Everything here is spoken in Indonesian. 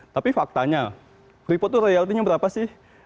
tapi faktanya report royaltinya berapa sih